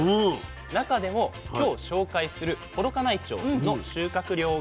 中でも今日紹介する幌加内町の収穫量がこちら。